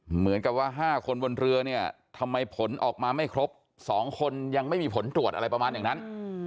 เหมือนกับว่า๕คนบนเรือเนี่ยทำไมผลออกมาไม่ครบ๒คนยังไม่มีผลตรวจอะไรประมาณอย่างนั้น